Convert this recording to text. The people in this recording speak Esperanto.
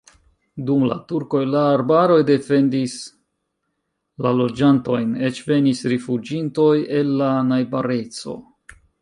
Dum la turkoj la arbaroj defendis la loĝantojn, eĉ venis rifuĝintoj el la najbareco.